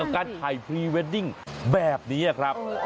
การถ่ายพรีเวดดิ้งแบบนี้ครับ